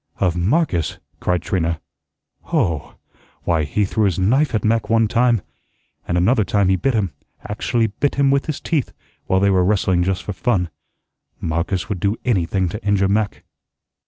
"Of Marcus!" cried Trina. "Hoh! Why, he threw his knife at Mac one time, and another time he bit him, actually bit him with his teeth, while they were wrestling just for fun. Marcus would do anything to injure Mac."